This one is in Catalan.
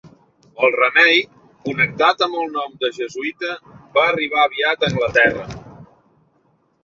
El remei, connectat amb el nom de jesuïta, va arribar aviat a Anglaterra.